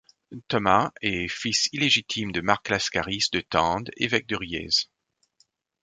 Thomas est fils illégitime de Marc Lascaris de Tende, évêque de Riez.